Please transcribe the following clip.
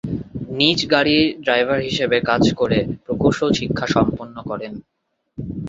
নিজ গাড়ীর ড্রাইভার হিসেবে কাজ করে প্রকৌশল শিক্ষা সম্পন্ন করেন।